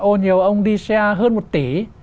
ô nhiều ông đi xe hơn một tỷ